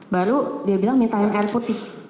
baru dia bilang minta air putih